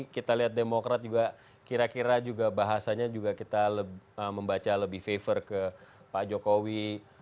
kira kira juga bahasanya juga kita membaca lebih favor ke pak jokowi